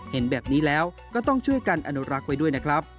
เห็นแบบนี้แล้วก็ต้องช่วยกันอนุรักษ์ไว้ด้วยนะครับ